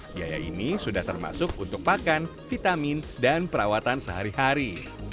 biaya ini sudah termasuk untuk pakan vitamin dan perawatan sehari hari